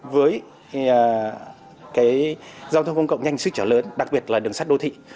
với cái giao thông công cộng nhanh sức trở lớn đặc biệt là đường sắt đô thị